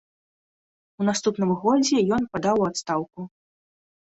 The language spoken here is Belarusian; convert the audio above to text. У наступным годзе ён падаў у адстаўку.